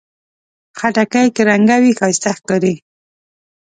خټکی که رنګه وي، ښایسته ښکاري.